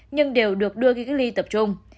nhưng đều được đưa về cách ly tập trung